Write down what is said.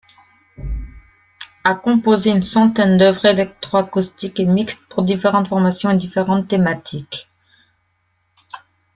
A composé une centaine d’œuvres électroacoustiques et mixtes, pour différentes formations et différentes thématiques.